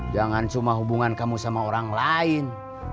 jangan cuma hubungan kamu sama orang lain